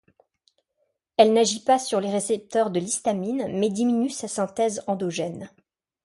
Elle n'agit pas sur les récepteurs de l'histamine mais diminue sa synthèse endogène.